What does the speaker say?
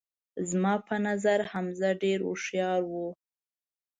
زما په نظر حمزه ډیر هوښیار وو